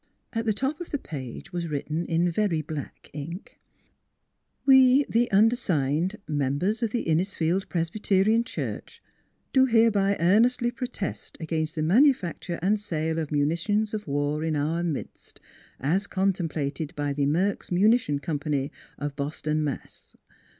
At the top of the page was written in very black ink: " We the undersigned, members of the Innisfield Pres byterian Church, do hereby earnestly protest against the manufacture and sale of munitions of war in our midst, as contemplated by the Merks Munition Company of Boston, Mass.